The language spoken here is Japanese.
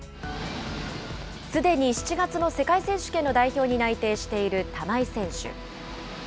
すでに７月の世界選手権の代表に内定している玉井選手。